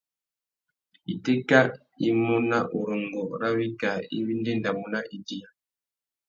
Itéka i mú nà urrôngô râ wikā iwí i ndédamú nà idiya.